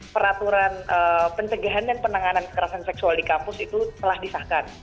peraturan pencegahan dan penanganan kekerasan seksual di kampus itu telah disahkan